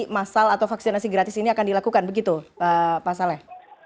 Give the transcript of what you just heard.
masal atau vaksinasi gratis ini akan dilakukan begitu pak saleh